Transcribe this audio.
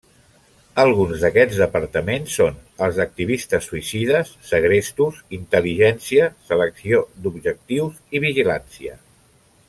Alguns d'aquests departaments són els d'activistes suïcides, segrestos, intel·ligència, selecció d'objectius i vigilància.